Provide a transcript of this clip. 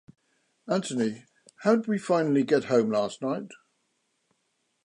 Anthony, how'd we finally get home last night?